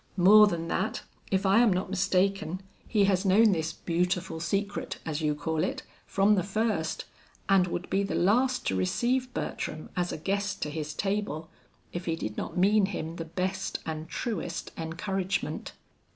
More than that, if I am not mistaken, he has known this beautiful secret, as you call it, from the first, and would be the last to receive Bertram as a guest to his table, if he did not mean him the best and truest encouragement."